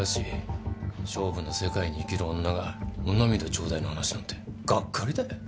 勝負の世界に生きる女がお涙ちょうだいの話なんてがっかりだよ。